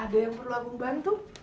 ada yang perlu lagu bantu